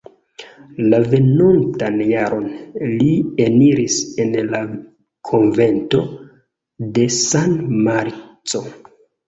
La venontan jaron li eniris en la konvento de San Marco.